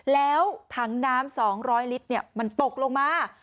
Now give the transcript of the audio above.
แล้วทางน้ำ๒๐๐ลิตรเนี่ยมันตกลงมา